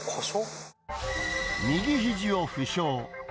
右ひじを負傷。